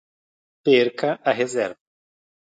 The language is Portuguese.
Perca a reserva